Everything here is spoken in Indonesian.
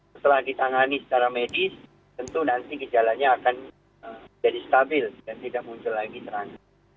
setelah ditangani secara medis tentu nanti gejalanya akan jadi stabil dan tidak muncul lagi terang